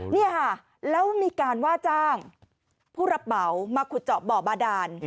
นี่ค่ะแล้วมีการว่าจ้างผู้รับเหมามาขุดเจาะบ่อบาดาน